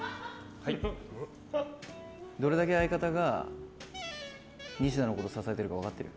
どれだけ相方がニシダのこと支えてるか分かってる？